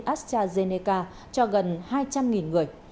vắc xin astrazeneca cho gần hai trăm linh người